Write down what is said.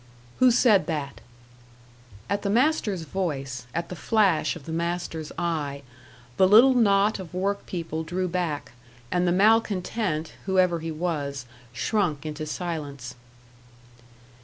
"Who said that?" At the master's voice at the flash of the master's eye the little knot of work people drew back, and the malcontent, whoever he was, shrunk into silence.